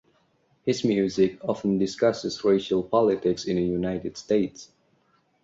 His music often discusses racial politics in the United States.